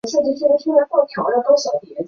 我们看了看时间